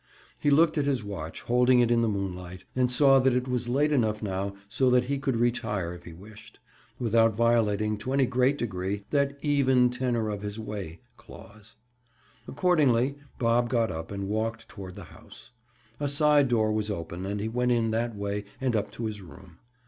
He looked at his watch, holding it in the moonlight, and saw that it was late enough now so that he could retire if he wished, without violating, to any great degree, that even tenor of his way clause. Accordingly Bob got up and walked toward the house. A side door was open and he went in that way and up to his room.